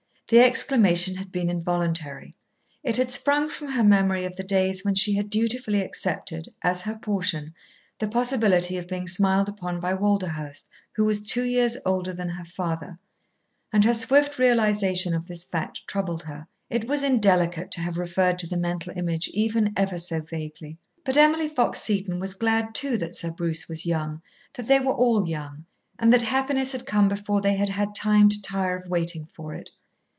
The exclamation had been involuntary. It had sprung from her memory of the days when she had dutifully accepted, as her portion, the possibility of being smiled upon by Walderhurst, who was two years older than her father, and her swift realisation of this fact troubled her. It was indelicate to have referred to the mental image even ever so vaguely. But Emily Fox Seton was glad too that Sir Bruce was young, that they were all young, and that happiness had come before they had had time to tire of waiting for it.